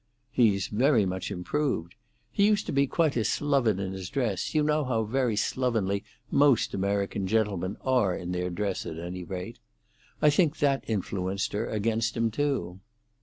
"He's very much improved. He used to be quite a sloven in his dress; you know how very slovenly most American gentlemen are in their dress, at any rate. I think that influenced her against him too."